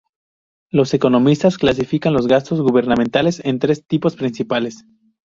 Los economistas clasifican los gastos gubernamentales en tres tipos principales.